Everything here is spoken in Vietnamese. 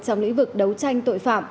trong lĩnh vực đấu tranh tội phạm